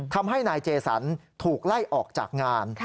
ทำให้นายเจสันถูกไล่ออกจากงาน